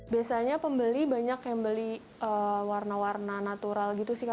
biasanya pembeli banyak yang beli warna warna natural gitu sih